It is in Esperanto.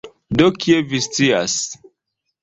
De kie vi scias?